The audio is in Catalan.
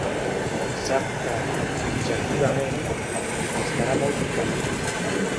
Sap que, objectivament, li costarà molt dir que no.